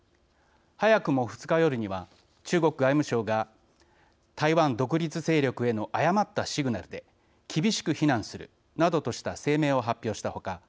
早くも２日夜には中国外務省が「台湾独立勢力への誤ったシグナルで厳しく非難する」などとした声明を発表した他